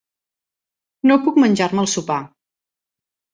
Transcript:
No puc menjar-me el sopar.